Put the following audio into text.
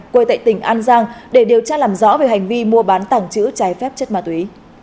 quê tại tỉnh an giang để điều tra làm rõ về hành vi mua bán tảng chữ trái phép chất ma túy